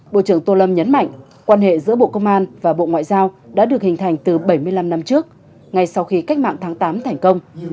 bộ trưởng tô lâm nhấn mạnh quan hệ giữa bộ công an và bộ ngoại giao đã được hình thành từ bảy mươi năm năm trước ngay sau khi cách mạng tháng tám thành công